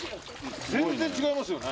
全然違いますよね。